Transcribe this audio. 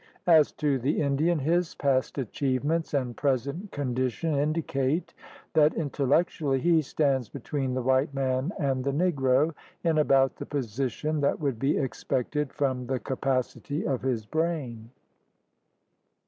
As to the Indian, his past achievements and present condi tion indicate that intellectually he stands between the white man and the Negro in about the position that would be expected from the capacity of his brain.